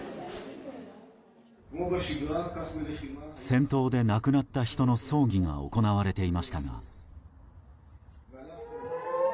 戦闘で亡くなった人の葬儀が行われていましたが。